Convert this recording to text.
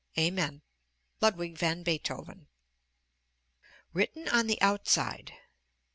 Amen! LUDWIG VAN BEETHOVEN. [Written on the outside.